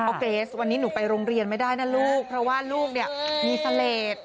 เกรสวันนี้หนูไปโรงเรียนไม่ได้นะลูกเพราะว่าลูกเนี่ยมีเสลด